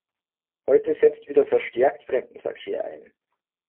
Heute setzt wieder verstärkt Fremdenverkehr ein.